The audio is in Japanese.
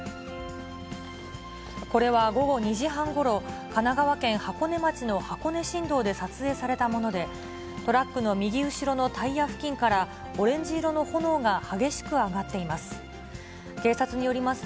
これは午後２時半ごろ、神奈川県箱根町の箱根新道で撮影されたもので、トラックの右後ろのタイヤ付近から、オレンジ色の炎が激しく上がっています。